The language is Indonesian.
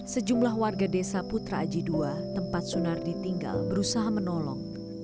sejumlah warga desa putra aji ii tempat sunardi tinggal berusaha menolong